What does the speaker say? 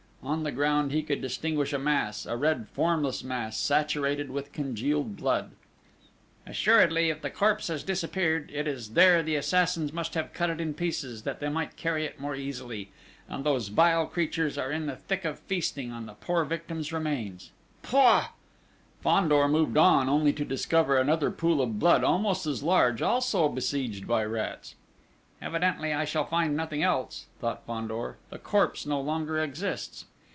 On the ground he could distinguish a mass, a red, formless mass, saturated with congealed blood: "Assuredly, if the corpse has disappeared, it is there the assassins must have cut it in pieces, that they might carry it more easily, and those vile creatures are in the thick of feasting on the poor victim's remains!... Pouah!" Fandor moved on, only to discover another pool of blood almost as large, also besieged by rats: "Evidently I shall find nothing else," thought Fandor: "the corpse no longer exists!"